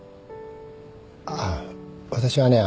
あっ私はね